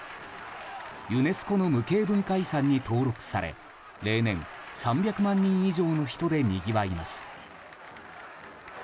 ユネスコの無形文化遺産に登録され例年３００万人以上の人でにぎわいます。